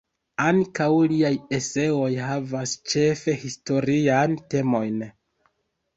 Ankaŭ liaj eseoj havas ĉefe historiajn temojn.